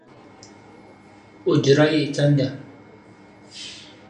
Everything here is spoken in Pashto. اوجره یې څنګه؟